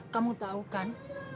kamu tahu kan